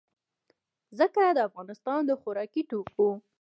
ځکه افغانستان د خوراکي توکو